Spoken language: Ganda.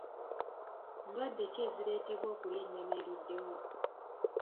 Ndwadde ki ezireetebwa okulya ennyama eruddewo?